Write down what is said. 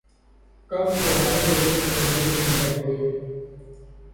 کف اُڑانے پہ بھی پابندی نہیں ہے کوئی